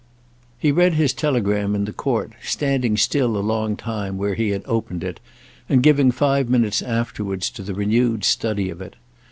He read his telegram in the court, standing still a long time where he had opened it and giving five minutes afterwards to the renewed study of it.